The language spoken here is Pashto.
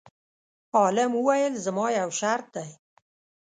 عالم وویل: زما یو شرط دی.